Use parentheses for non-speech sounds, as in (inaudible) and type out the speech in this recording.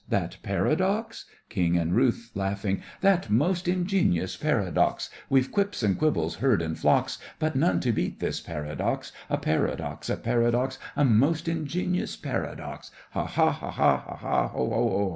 That paradox? KING and RUTH: (laughs) That most ingenious paradox! We've quips and quibbles heard in flocks, But none to beat this paradox! A paradox, a paradox, A most ingenious paradox! Ha! ha! ha! ha!